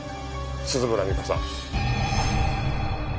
鈴村美加さん。